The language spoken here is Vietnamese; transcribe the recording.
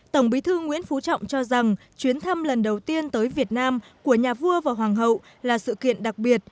tổng bí thư nguyễn phú trọng cho rằng chuyến thăm lần đầu tiên tới việt nam của nhà vua và hoàng hậu là sự kiện đặc biệt